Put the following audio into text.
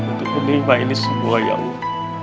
untuk menerima ini semua ya allah